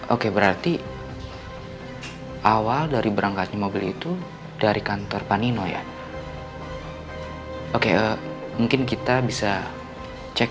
oke berarti awal dari berangkatnya mobil itu dari kantor panino ya oke mungkin kita bisa cek